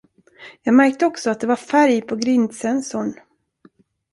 Jag märkte också att det var färg på grindsensorn.